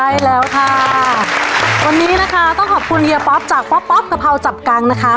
ใช่แล้วค่ะวันนี้นะคะต้องขอบคุณเฮียป๊อปจากป๊อปป๊อปกะเพราจับกังนะคะ